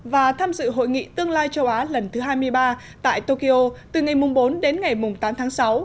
và tham dự hội nghị tương lai châu á lần thứ hai mươi ba tại tokyo từ ngày bốn đến ngày tám tháng sáu